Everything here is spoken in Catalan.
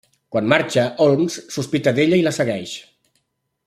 Quan marxa, Holmes sospita d'ella i la segueix.